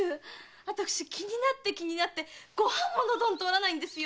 私気になって気になってご飯も喉を通らないんですよ。